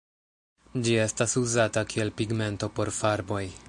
Ĝi estas uzata kiel pigmento por farboj.